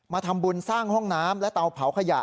ทำบุญสร้างห้องน้ำและเตาเผาขยะ